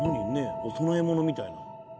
お供えものみたいな。